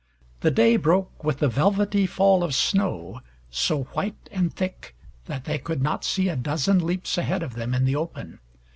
The day broke with a velvety fall of snow, so white and thick that they could not see a dozen leaps ahead of them in the open.